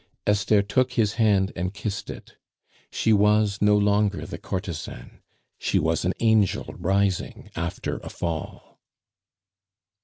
Esther took his hand and kissed it. She was no longer the courtesan; she was an angel rising after a fall.